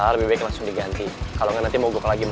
sebagai tanda terima kasih